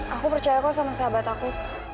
aku percaya kau sama sahabat aku